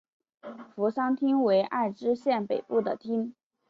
扶桑町为爱知县北部的町。